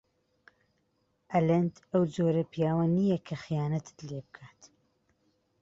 ئەلەند ئەو جۆرە پیاوە نییە کە خیانەتت لێ بکات.